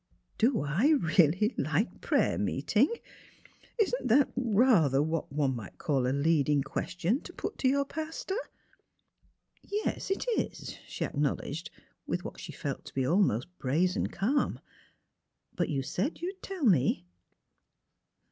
"*' Do I — really like prayer meeting f Isn't that — er — rather what one might call a leading ques tion to put to your pastor? "" Yes; it is," she acknowledged, with what she felt to be almost brazen calm. " But you said you'd tell me."